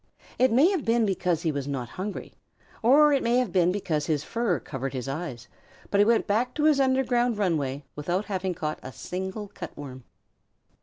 It may have been because he was not hungry, or it may have been because his fur covered over his eyes so, but he went back to his underground run way without having caught a single Cut Worm.